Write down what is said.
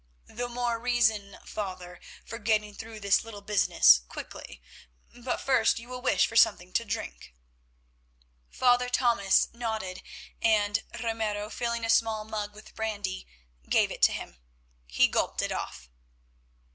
"The more reason, Father, for getting through this little business quickly; but first you will wish for something to drink." Father Thomas nodded, and Ramiro filling a small mug with brandy, gave it to him. He gulped it off.